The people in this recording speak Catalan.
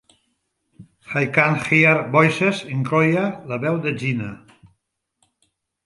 "I can Hear Voices" incloïa la veu de Jina.